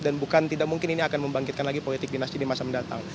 dan bukan tidak mungkin ini akan membangkitkan lagi politik dinasti di masa mendatang